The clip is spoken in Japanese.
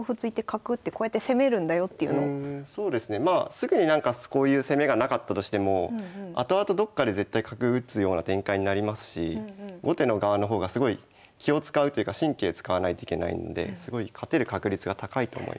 すぐになんかこういう攻めがなかったとしてもあとあとどっかで絶対角打つような展開になりますし後手の側の方がすごい気を遣うというか神経使わないといけないのですごい勝てる確率が高いと思います。